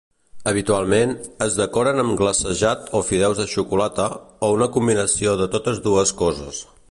Habitualment, es decoren amb glacejat o fideus de xocolata, o una combinació de totes dues coses.